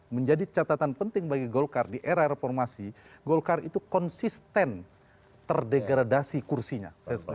menjadi catatan penting bagi golkar di era reformasi golkar itu konsisten terdegradasi kursinya